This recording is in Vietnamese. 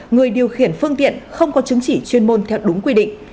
người điều khiển phương tiện không có chứng chỉ chuyên môn theo đúng quy định